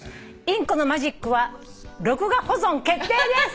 「インコのマジックは録画保存決定です」